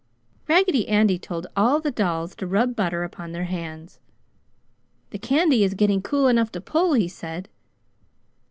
Raggedy Andy told all the dolls to rub butter upon their hands. "The candy is getting cool enough to pull!" he said.